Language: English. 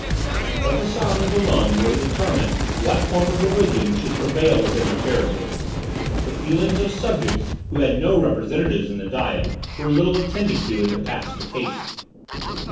But the sovereigns alone were to determine what form of religion should prevail within their territories; the feelings of subjects who had no representatives in the diet were little attended to in the pacification.